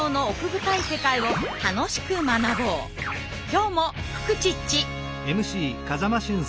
今日もフクチッチ！